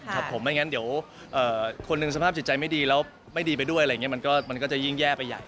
ไม่อย่างนั้นเดี๋ยวคนหนึ่งสภาพจิตใจไม่ดีแล้วไม่ดีไปด้วยมันก็จะยิ่งแย่ไปใหญ่